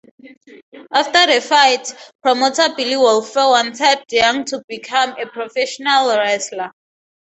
After the fight, promoter Billy Wolfe wanted Young to become a professional wrestler.